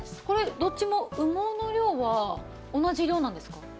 これどっちも羽毛の量は同じ量なんですか？